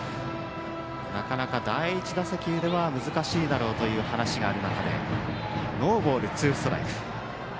なかなか第１打席では難しいだろうという話がある中でノーボールツーストライク。